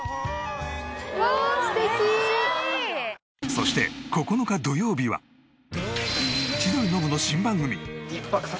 そして９日土曜日は千鳥ノブの新番組。